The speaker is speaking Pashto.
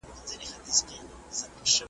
نه پلار ګوري نه خپلوان او نه تربرونه .